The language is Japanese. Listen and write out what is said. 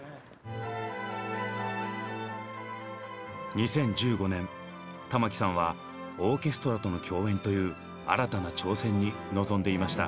２０１５年玉置さんはオーケストラとの共演という新たな挑戦に臨んでいました。